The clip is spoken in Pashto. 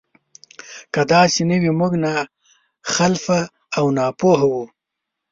که داسې نه وي موږ ناخلفه او ناپوهه وو.